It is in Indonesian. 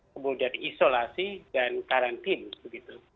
kemudian isolasi dan karantina begitu